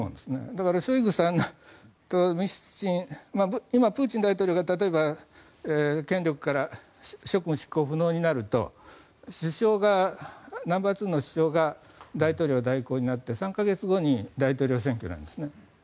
だからショイグさんとミシュスチン今、プーチン大統領が例えば職務執行不能になるとナンバーツーの首相が大統領代行になって３か月後に大統領選挙なんです。